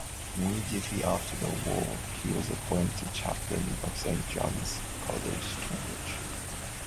Immediately after the war he was appointed Chaplain of Saint John's College, Cambridge.